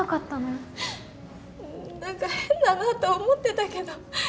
うんなんか変だなとは思ってたけど。